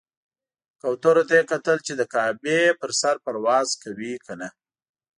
کوترو ته یې کتل چې د کعبې پر سر پرواز کوي کنه.